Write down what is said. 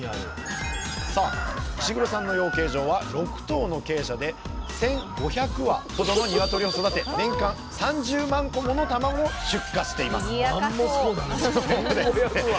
石黒さんの養鶏場は６棟の鶏舎で１，５００羽ほどの鶏を育て年間３０万個ものたまご出荷していますにぎやかそう。